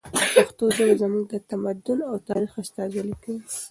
پښتو ژبه زموږ د تمدن او تاریخ استازولي کوي.